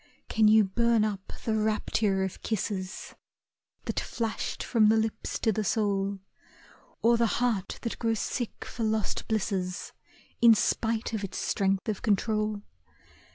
Can you burn up the rapture of kisses That flashed from the lips to the soul, Or the heart that grows sick for lost blisses In spite of its strength of control?